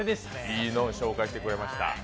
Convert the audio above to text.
いいのを紹介してくれました。